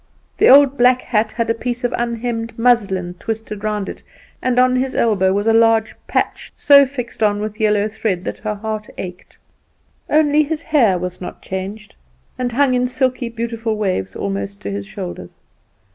The old black hat had a piece of unhemmed muslin twisted round it, and on his elbow was a large patch so fixed on with yellow thread that her heart ached. Only his hair was not changed, and hung in silky beautiful waves almost to his shoulders.